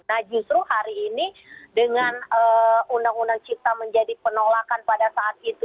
nah justru hari ini dengan undang undang cipta menjadi penolakan pada saat itu